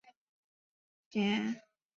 青岛教会的聚会人数锐减。